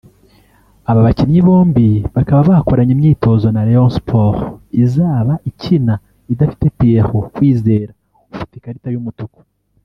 Aba bakinnyi bombi bakaba bakoranye imyitozo na Rayon Sports izaba ikina idafite Pierrot Kwizera ufite ikarita y'umutuku